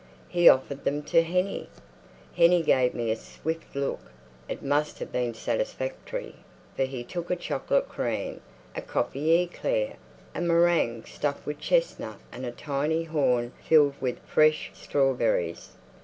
He offered them to Hennie. Hennie gave me a swift look—it must have been satisfactory—for he took a chocolate cream, a coffee éclair, a meringue stuffed with chestnut and a tiny horn filled with fresh strawberries.